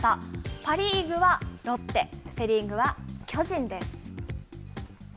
パ・リーグはロッテ、セ・リーグは巨人です。